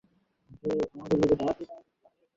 এটিকে বঙ্গবন্ধু শেখ মুজিবুর রহমানের নামে নামকরণ করা হয়েছে।